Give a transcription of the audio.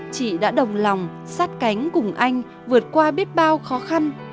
chị đã đồng lòng sát cánh cùng anh vượt qua biết bao khó khăn